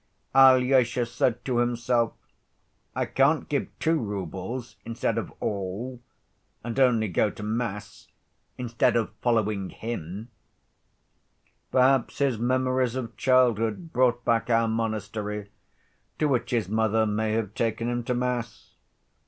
Alyosha said to himself: "I can't give two roubles instead of 'all,' and only go to mass instead of 'following Him.' " Perhaps his memories of childhood brought back our monastery, to which his mother may have taken him to mass.